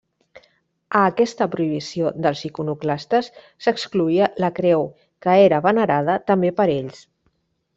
A aquesta prohibició dels iconoclastes s'excloïa la creu, que era venerada també per ells.